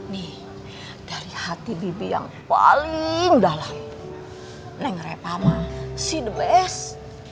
nih dari hati bibi yang paling dalam neng reva mah si the best